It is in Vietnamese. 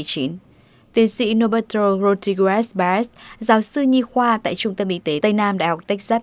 tiến sĩ norbert rottigeres barris giáo sư nhi khoa tại trung tâm y tế tây nam đại học texas